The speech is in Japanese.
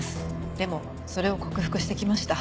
でもそれを克服してきました。